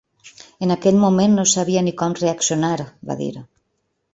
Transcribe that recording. “En aquell moment no sabia ni com reaccionar”, va dir.